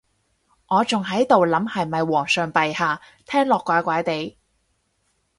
我仲喺度諗係咪皇上陛下，聽落怪怪哋